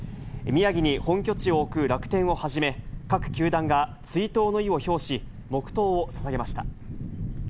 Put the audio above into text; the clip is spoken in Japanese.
宮城に本拠地を置く楽天をはじめ、各球団が追悼の意を表し、黙とうをささげました。